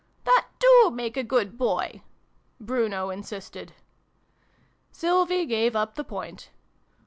" That do make a good Boy !" Bruno in sisted. Sylvie gave up the point.